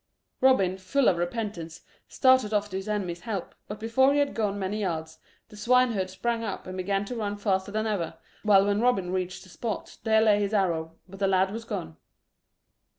Robin, full of repentance, started off to his enemy's help, but before he had gone many yards the swineherd sprang up and began to run faster than ever, while when Robin reached the spot there lay his arrow, but the lad was gone.